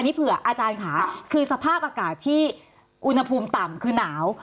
นี่เผื่ออาจารย์ค่ะคือสภาพอากาศที่อุณหภูมิต่ำคือหนาว